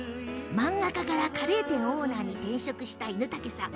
漫画家からカレー店オーナーに転職した犬竹さん。